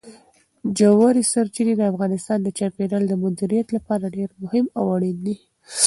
ژورې سرچینې د افغانستان د چاپیریال د مدیریت لپاره ډېر مهم او اړین دي.